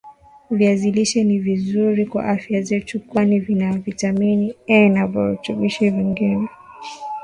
viazi lishe ni vizuri kwa afya zetu kwani vina vitamini A na virutubishi vingine